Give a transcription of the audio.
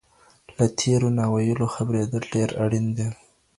له تېرو ناويلو خبرېدل ډېر اړین دي.